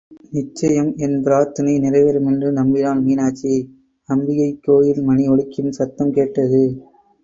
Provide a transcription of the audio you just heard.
நிச்சயம் என் பிரார்த்தனை நிறைவேறும் என்று நம்பினாள் மீனாட்சி... அம்பிகைக் கோயில் மணி ஒலிக்கும் சத்தம் கேட்டது.